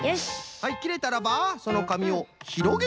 はいきれたらばそのかみをひろげてみましょう！